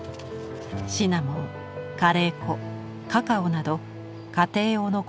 シナモンカレー粉カカオなど家庭用の香辛料だ。